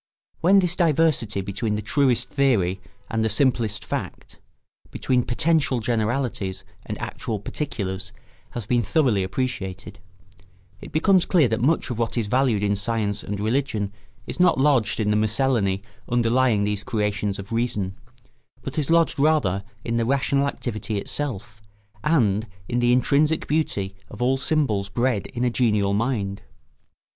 ] When this diversity between the truest theory and the simplest fact, between potential generalities and actual particulars, has been thoroughly appreciated, it becomes clear that much of what is valued in science and religion is not lodged in the miscellany underlying these creations of reason, but is lodged rather in the rational activity itself, and in the intrinsic beauty of all symbols bred in a genial mind.